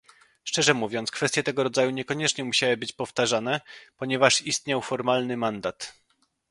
Szczerze mówiąc, kwestie tego rodzaju niekoniecznie musiały być powtarzane, ponieważ istniał formalny mandat